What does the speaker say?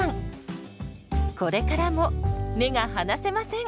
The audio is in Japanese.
これからも目が離せません！